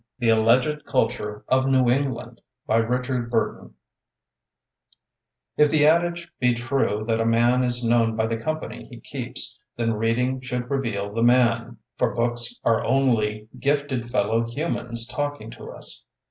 THE ALLEGED CULTURE OF NEW ENGLAND By Richard Burton IF the adage be true that a man is known by the company he keeps, then reading should reveal the man, — for books are only grifted fellow hu mans talking to us.